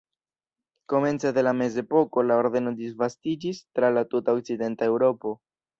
Komence de la mezepoko la ordeno disvastiĝis tra la tuta okcidenta Eŭropo.